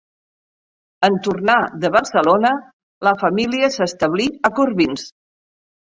En tornar de Barcelona, la família s’establí a Corbins.